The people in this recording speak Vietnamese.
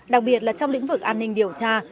đặc biệt là trong lĩnh vực an ninh điều tra